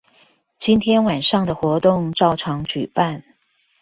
今天晚上的活動照常舉辦